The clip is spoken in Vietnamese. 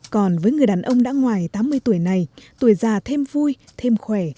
còn với người đàn ông đã ngoài tám mươi tuổi này tuổi già thêm vui thêm khỏe